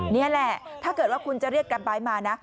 นี่แหละถ้าเกิดว่าคุณจะเรียกกราไบท์มานะ